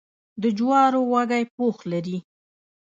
د جوارو وږی پوښ لري.